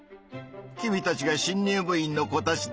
君たちが新入部員の子たちだね。